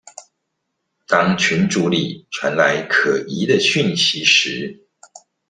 當群組裡傳來可疑的訊息時